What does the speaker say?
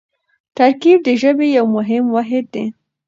ترکیب د ژبې یو مهم واحد دئ.